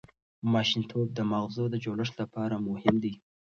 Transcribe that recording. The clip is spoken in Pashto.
ماشومتوب د ماغزو د جوړښت لپاره مهم دی.